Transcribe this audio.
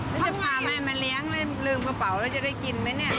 แล้วจะพาแม่มาเลี้ยงเลยลืมกระเป๋าแล้วจะได้กินไหมเนี่ย